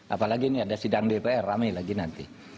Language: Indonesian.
apalagi ini ada sidang dpr rame lagi nanti